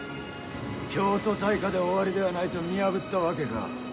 京都大火で終わりではないと見破ったわけか。